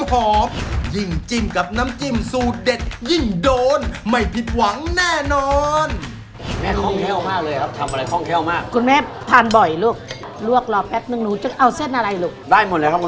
เต้นสปาเจตตี้อย่างที่แม่พูดนะครับ